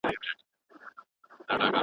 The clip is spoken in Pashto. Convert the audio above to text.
د شکرې ناروغان باید پرهیز وکړي.